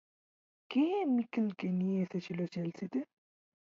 কে মিকেলকে নিয়ে এসেছিলেন চেলসিতে?